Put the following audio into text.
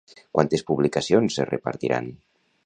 Quantes publicacions es repartiran?